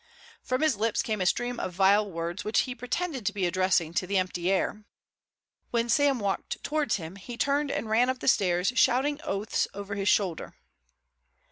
From his lips came a stream of vile words which he pretended to be addressing to the empty air. When Sam walked towards him he turned and ran up the stairs, shouting oaths over his shoulder.